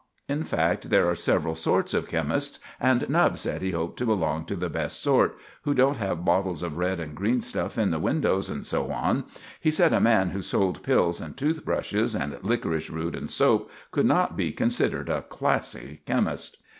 In fact, there are several sorts of chemists, and Nubbs said he hoped to belong to the best sort, who don't have bottles of red and green stuff in the windows, and so on. He said a man who sold pills and tooth brushes, and liquorice root and soap, could not be considered a classy chemist.